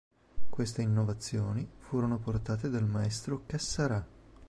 Queste innovazioni furono portate dal Maestro Cassarà.